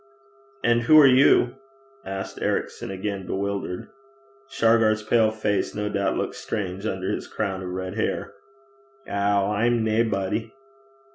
'And who are you?' asked Ericson again, bewildered. Shargar's pale face no doubt looked strange under his crown of red hair. 'Ow! I'm naebody.'